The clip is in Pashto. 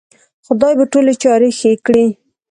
خدای به ټولې چارې ښې کړې